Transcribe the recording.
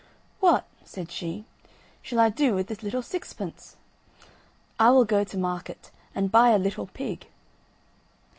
"What," said she, "shall I do with this little sixpence? I will go to market, and buy a little pig."